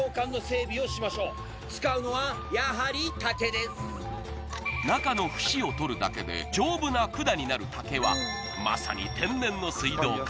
まず中の節を取るだけで丈夫な管になる竹はまさに天然の水道管